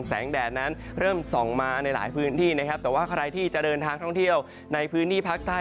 แดดนั้นเริ่มส่องมาในหลายพื้นที่นะครับแต่ว่าใครที่จะเดินทางท่องเที่ยวในพื้นที่ภาคใต้